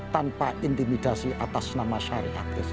tanpa intimidasi atas nama syarikat islam